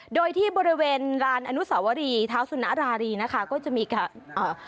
โดยที่บริเวณลานอนุสาวรีเท้าสุนรารีนะคะก็จะมีการอ่า